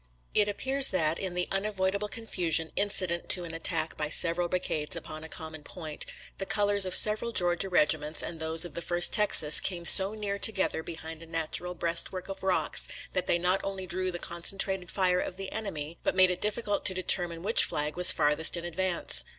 It appears that in the unavoidable confusion incident to an attack by several brigades upon a common point, the colors of several Georgia regiments and those of the First Texas came so near together behind a natural breastwork of rocks that they not only drew the concentrated fire of the enemy, but made it difficult to determine which fiag was farthest in advance.